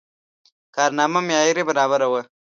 کارنامه معیار برابره وه.